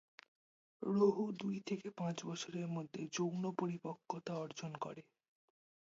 রোহু দুই থেকে পাঁচ বছরের মধ্যে যৌন পরিপক্বতা অর্জন করে।